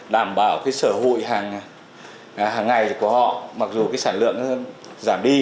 đảm bảo cái sở hội hàng ngày của họ mặc dù cái sản lượng giảm đi